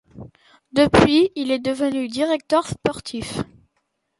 Depuis, il est devenu directeur sportif.